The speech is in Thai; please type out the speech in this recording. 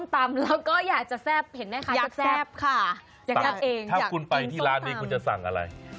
ถ้าคุณไปที่ร้านนี้คุณจะสั่งอะไร